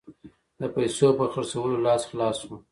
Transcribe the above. د پیسو په خرڅولو لاس خلاص وو.